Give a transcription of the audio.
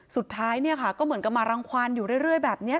สุดท้ายเนี่ยค่ะก็เหมือนกับมารังความอยู่เรื่อยแบบนี้